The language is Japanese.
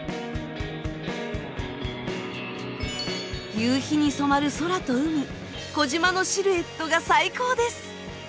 夕日に染まる空と海小島のシルエットが最高です。